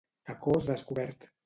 A cos descobert.